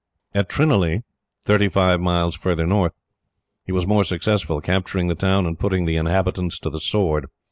At Trinalee, thirty five miles farther north, he was more successful, capturing the town, and putting the inhabitants to the sword.